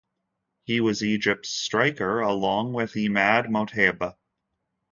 He was Egypt's striker along with Emad Moteab.